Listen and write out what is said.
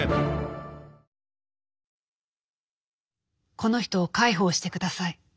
「『この人を介抱してください。